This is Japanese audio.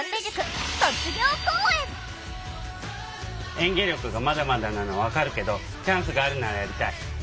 演技力がまだまだなのは分かるけどチャンスがあるならやりたい。